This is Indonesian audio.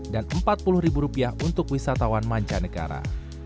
dan rp empat puluh untuk wisatawan mancanegara